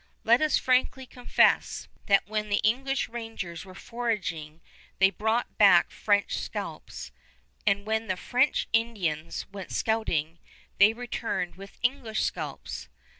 Let us frankly confess that when the English rangers went foraging they brought back French scalps, and when the French Indians went scouting they returned with English scalps.